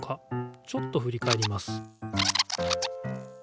ちょっとふりかえります。